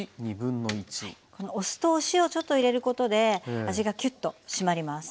このお酢とお塩ちょっと入れることで味がキュッと締まります。